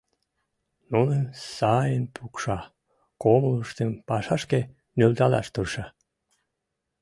Нуным сайын пукша, кумылыштым пашашке нӧлталаш тырша.